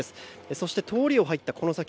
そして通りを入った、この先。